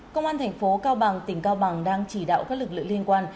công an thành phố cao bằng tỉnh cao bằng đang chỉ đạo các lực lượng liên quan